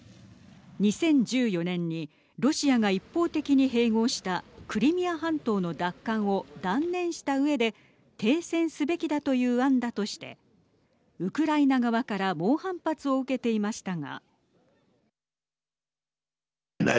２０１４年にロシアが一方的に併合したクリミア半島の奪還を断念したうえで停戦すべきだという案だとしてウクライナ側から猛反発を受けていましたが。